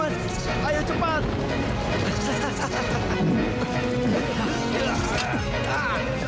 itu salah satu father